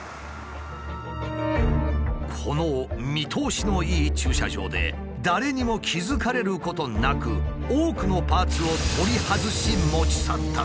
この見通しのいい駐車場で誰にも気付かれることなく多くのパーツを取り外し持ち去ったのだ。